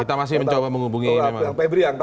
kita masih mencoba menghubungi memang